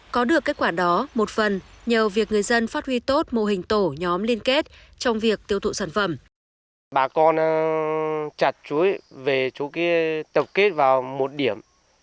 có được kết quả đó một phần nhờ việc người dân phát huy tốt mô hình tổ nhóm liên kết trong việc tiêu thụ sản phẩm